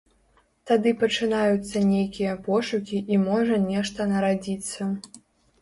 Тады пачынаюцца нейкія пошукі і можа нешта нарадзіцца.